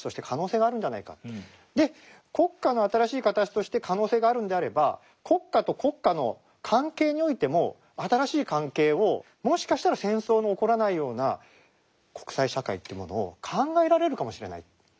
国家の新しい形として可能性があるんであれば国家と国家の関係においても新しい関係をもしかしたら戦争の起こらないような国際社会というものを考えられるかもしれない。